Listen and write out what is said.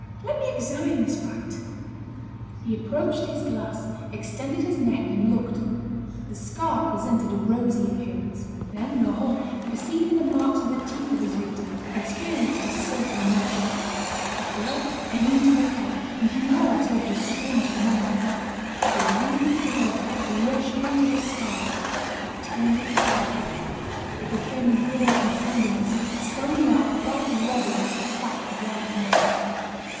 Let me examine this bite." He approached his glass, extended his neck and looked. The scar presented a rosy appearance. Then, Laurent, perceiving the marks of the teeth of his victim, experienced a certain emotion. The blood flew to his head, and he now observed a strange phenomenon. The ruby flood rushing to the scar had turned it purple, it became raw and sanguineous, standing out quite red against the fat, white neck.